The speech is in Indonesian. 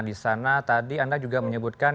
di sana tadi anda juga menyebutkan